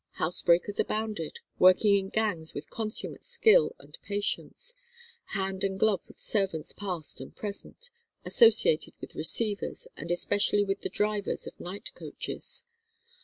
Housebreakers abounded, working in gangs with consummate skill and patience, hand and glove with servants past and present, associated with receivers, and especially with the drivers of night coaches.